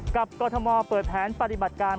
กรทมเปิดแผนปฏิบัติการ